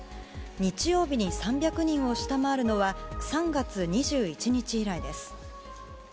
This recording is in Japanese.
日曜日に３００人を下回るのは３月２１日以来です。